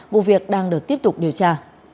vụ việc đang được tiếp tục điều tra